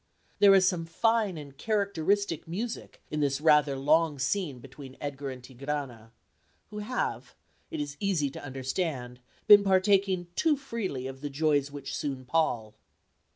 There is some fine and characteristic music in this rather long scene between Edgar and Tigrana, who have, it is easy to understand, been partaking too freely of the joys which soon pall.